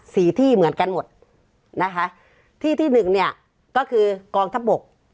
ที่เหมือนกันหมดนะคะที่ที่หนึ่งเนี่ยก็คือกองทัพบก